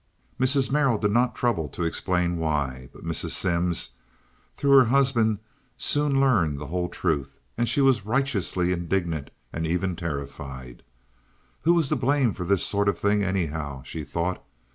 Mrs. Merrill did not trouble to explain why, but Mrs. Simms through her husband soon learned the whole truth, and she was righteously indignant and even terrified. Who was to blame for this sort of thing, anyhow? she thought.